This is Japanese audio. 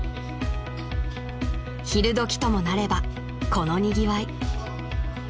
［昼時ともなればこのにぎわい］